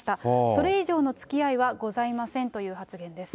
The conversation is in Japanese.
それ以上のつきあいはございませんという発言です。